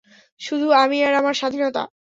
শুধু আমি আর আমার স্বাধীনতা।